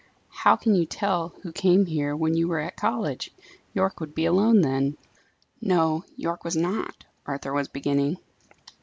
How can you tell who came here when you were at college? Yorke would be alone, then." "No, Yorke was not," Arthur was beginning.